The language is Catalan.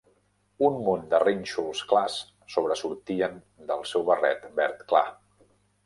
Un munt de rínxols clars sobresortien del seu barret verd clar!